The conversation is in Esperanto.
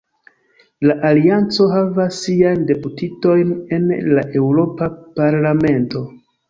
La Alianco havas siajn deputitojn en la Eŭropa Parlamento.